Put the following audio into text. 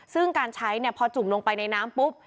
ซึ่งการใช้พอจุ่มลงไปในน้ำปุ๊บ